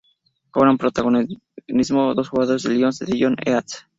Cobran protagonismo dos nuevos jugadores en los Lions de Dillon East.